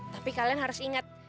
tapi kalian harus ingat